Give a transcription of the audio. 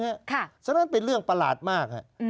เพราะฉะนั้นเป็นเรื่องประหลาดมาก